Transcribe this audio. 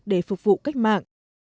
để phục vụ cách mạng